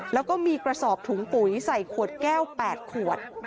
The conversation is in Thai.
แล้วก็มีกระสอบถุงปุ๋ยใส่ขวดแก้ว๘ขวด